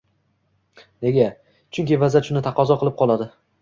Nega? Chunki vaziyat shuni taqozo qilib qoladi